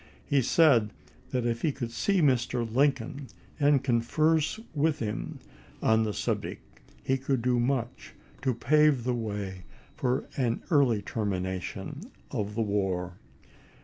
He said that if he could see Mr. Lincoln and converse with him on the subject he could do much to pave the way for an early termination of the war.